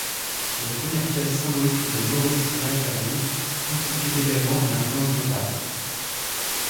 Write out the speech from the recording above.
Les premières pièces symbolistes de Maurice Maeterlinck constituent également une influence notable.